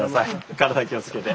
体に気をつけて。